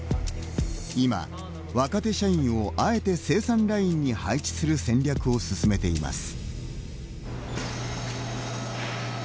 今、若手社員をあえて生産ラインに配置する戦略を進めています。